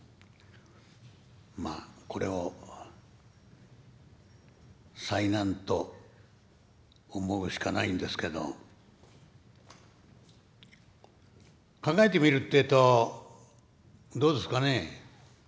まあこれを災難と思うしかないんですけど考えてみるってえとどうですかね。